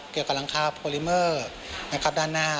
เกี่ยวกับรังคาโพลิเมอร์ด้านหน้า